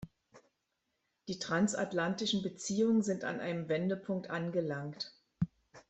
Die transatlantischen Beziehungen sind an einem Wendepunkt angelangt.